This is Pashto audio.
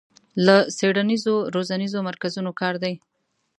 له څېړنیزو روزنیزو مرکزونو کار دی